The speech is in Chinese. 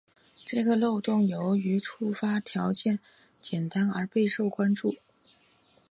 这个漏洞由于触发条件简单而备受关注。